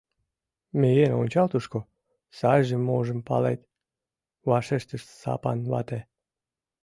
— Миен ончал тушко, сайжым-можым палет, — вашештыш Сапан вате.